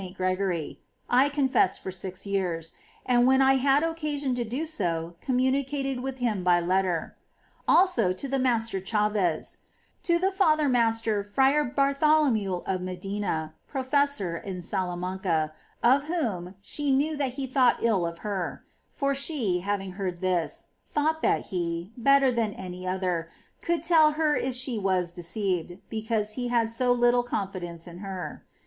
Gregory, I confessed for six years, and whenever I had occasion to do so communicated with him by letter ; also to the Master Chaves ; to the Father Master Fra Bartholomew of Medina, professor in Salamanca, of whom she knew that he thought ill of her ; for she, having heard this, thought that he, better than any other, could tell her if she was deceived, because he had so little confidence in her.